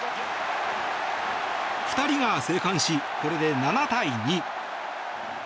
２人が生還しこれで７対２。